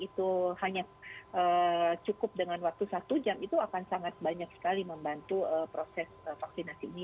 itu hanya cukup dengan waktu satu jam itu akan sangat banyak sekali membantu proses vaksinasi ini